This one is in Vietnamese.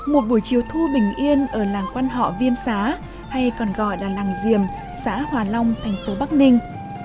một buổi chiều thu bình yên ở làng quan họ viêm xá hay còn gọi là làng diềm xã hòa long thành phố bắc ninh